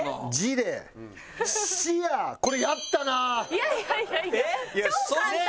いやいやいやいや超簡単！